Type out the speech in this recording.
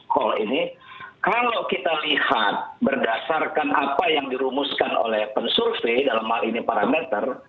kalau kita lihat berdasarkan apa yang dirumuskan oleh pen survey dalam hal ini parameter